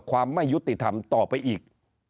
ความไม่ยุติธรรมต่อไปอีก